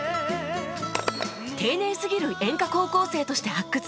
丁寧すぎる演歌高校生として発掘され１５年